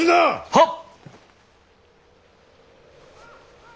はっ！